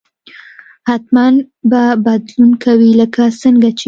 حتما به بدلون کوي لکه څنګه چې